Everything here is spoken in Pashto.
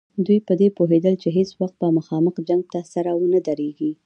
دوی په دې پوهېدل چې هېڅ وخت به مخامخ جنګ ته سره ونه دریږي.